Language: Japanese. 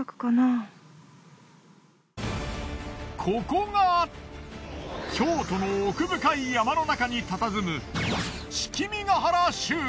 ここが京都の奥深い山の中にたたずむ。